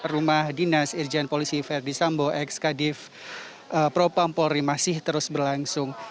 rumah dinas irjen polisi ferdis sambo ekskadif propampolri masih terus berlangsung